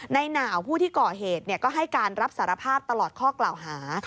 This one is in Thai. หนาวผู้ที่ก่อเหตุก็ให้การรับสารภาพตลอดข้อกล่าวหา